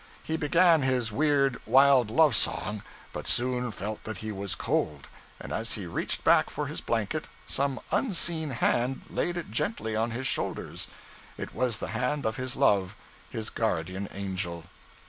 He began his weird, wild love song, but soon felt that he was cold, and as he reached back for his blanket, some unseen hand laid it gently on his shoulders; it was the hand of his love, his guardian angel.